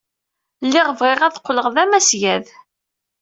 Lliɣ bɣiɣ ad qqleɣ d amasgad.